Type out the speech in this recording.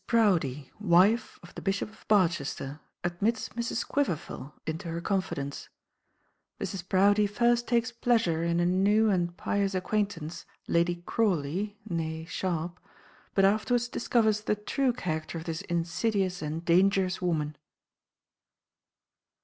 Proudie, wife of the Bishop of Barchester, admits Mrs. Quiverful into her confidence. Mrs. Proudie first takes pleasure in a new and pious acquaintance, Lady Crawley (née Sharp), but afterwards discovers the true character of this insidious and dangerous woman.